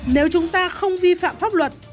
nếu chúng ta không vi phạm pháp luật